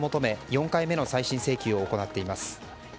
４回目の再審請求を行っています。